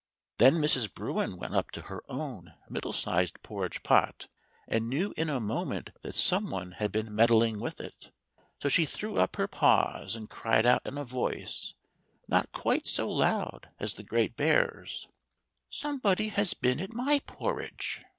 Then Mrs. Bruin went up to her own middle sized por ridge pot, and knew in a moment that some one had been meddling with it. So she threw up her paws and cried out in a voice not quite so loud as the great bear's : "somebody has been at my porridge!"